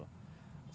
sehingga ini masih